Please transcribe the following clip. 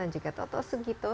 dan juga toto sugito